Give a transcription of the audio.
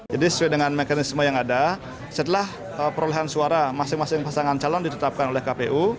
jadi sesuai dengan mekanisme yang ada setelah perolehan suara masing masing pasangan calon ditetapkan oleh kpu